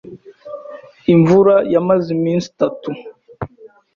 Imvura yamaze iminsi itatu.